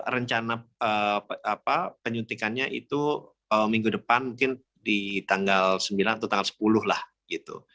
rencana penyuntikannya itu minggu depan mungkin di tanggal sembilan atau tanggal sepuluh lah gitu